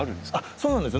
そうなんですよ。